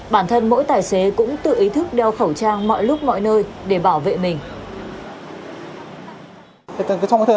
bản thân mỗi tài xế cũng tự ý thức đeo khẩu trang mọi lúc mọi nơi để bảo vệ mình